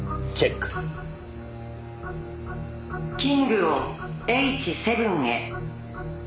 「キングをｈ７へ」